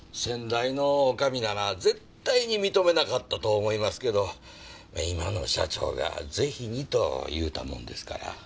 先代の女将なら絶対に認めなかったと思いますけど今の社長が是非にと言うたもんですから。